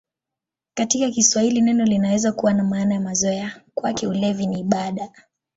Katika Kiswahili neno linaweza kuwa na maana ya mazoea: "Kwake ulevi ni ibada".